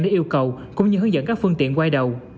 để yêu cầu cũng như hướng dẫn các phương tiện quay đầu